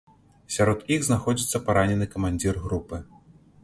Сярод іх знаходзіцца паранены камандзір групы.